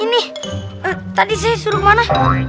ini tadi saya suruh mana